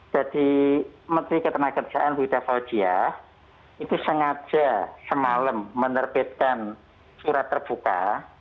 jadi menteri ketenagakerjaan bu ida fauzia itu sengaja semalam menerbitkan surat terbuka